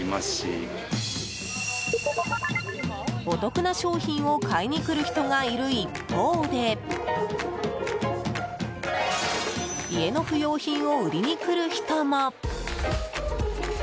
お得な商品を買いに来る人がいる一方で家の不用品を売りに来る人も。